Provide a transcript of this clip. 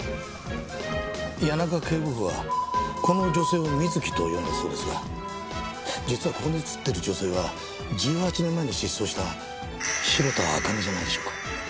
谷中警部補はこの女性をミズキと呼んだそうですが実はここに写ってる女性は１８年前に失踪した白田朱音じゃないでしょうか？